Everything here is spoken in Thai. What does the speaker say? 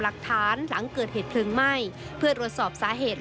หลักฐานหลังเกิดเหตุเพลิงไหม้เพื่อตรวจสอบสาเหตุ